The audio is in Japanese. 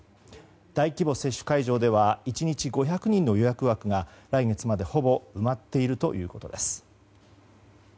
大規模接種会場では１日５００人の予約枠が来月まで、ほぼ埋まっているということです。